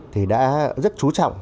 thì đã rất trú trọng